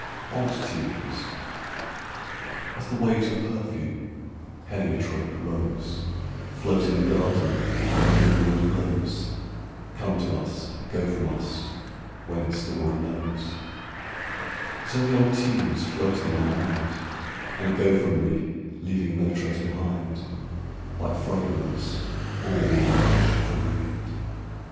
Old Tunes As the waves of perfume, heliotrope, rose, Float in the garden when no wind blows, Come to us, go from us, whence no one knows; So the old tunes float in my mind, And go from me leaving no trace behind, Like fragrance borne on the hush of the wind.